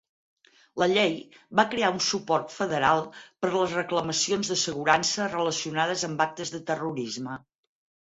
La llei va crear un suport federal per les reclamacions d'assegurança relacionades amb actes de terrorisme.